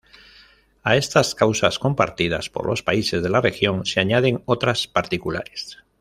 A estas causas compartidas por los países de la región se añaden otras particulares.